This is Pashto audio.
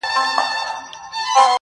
دا کيسه د انسان د وجدان غږ ګرځي,